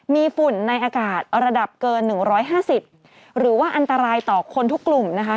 มีฝุ่นในอากาศระดับเกิน๑๕๐หรือว่าอันตรายต่อคนทุกกลุ่มนะคะ